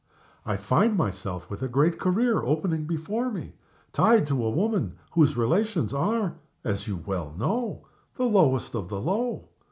I find myself, with a great career opening before me, tied to a woman whose relations are (as you well know) the lowest of the low.